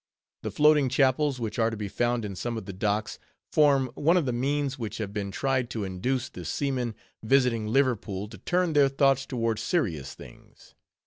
The floating chapels which are to be found in some of the docks, form one of the means which have been tried to induce the seamen visiting Liverpool to turn their thoughts toward serious things.